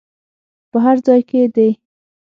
په هر ځای کې دې.